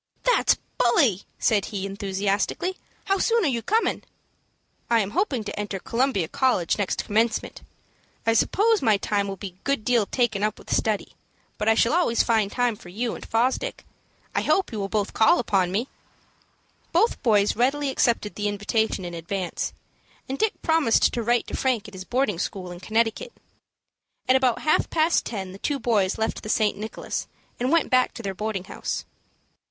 "That's bully," said he, enthusiastically. "How soon are you comin'?" "I am hoping to enter Columbia College next commencement. I suppose my time will be a good deal taken up with study, but I shall always find time for you and Fosdick. I hope you both will call upon me." Both boys readily accepted the invitation in advance, and Dick promised to write to Frank at his boarding school in Connecticut. At about half past ten, the two boys left the St. Nicholas, and went back to their boarding house.